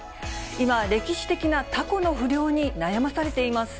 今、歴史的なタコの不漁に悩まされています。